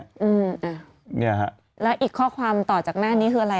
แล้วอีกข้อความต่อจากแม่นี้คืออะไร